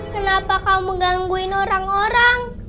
kenapa kamu mengganggu orang orang